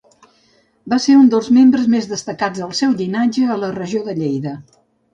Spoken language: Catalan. Va ser un dels membres més destacats del seu llinatge a la regió de Lleida.